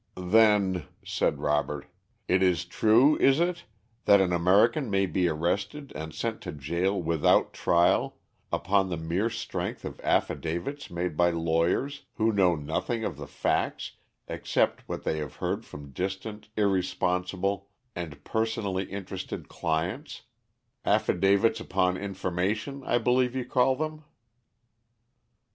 "Then," said Robert, "it is true, is it, that an American may be arrested and sent to jail without trial, upon the mere strength of affidavits made by lawyers who know nothing of the facts except what they have heard from distant, irresponsible, and personally interested clients affidavits upon information, I believe you call them?"